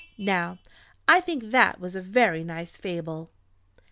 Now, I think that was a very nice Fable.